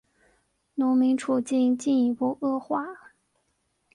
农民处境进一步恶化。